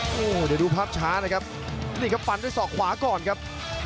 โอ้โหเดี๋ยวดูภาพช้านะครับนี่ครับฟันด้วยศอกขวาก่อนครับ